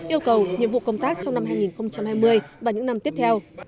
yêu cầu nhiệm vụ công tác trong năm hai nghìn hai mươi và những năm tiếp theo